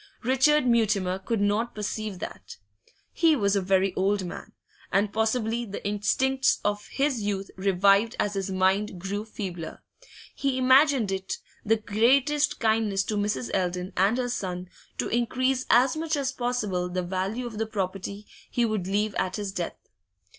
Richard Mutimer could not perceive that. He was a very old man, and possibly the instincts of his youth revived as his mind grew feebler; he imagined it the greatest kindness to Mrs. Eldon and her son to increase as much as possible the value of the property he would leave at his death.